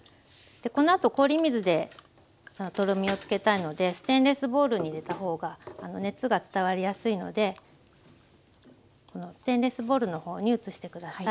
このあと氷水でとろみをつけたいのでステンレスボウルに入れた方が熱が伝わりやすいのでステンレスボウルの方に移して下さい。